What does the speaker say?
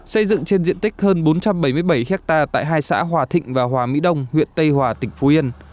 xây dựng trên diện tích hơn bốn trăm bảy mươi bảy hectare tại hai xã hòa thịnh và hòa mỹ đông huyện tây hòa tỉnh phú yên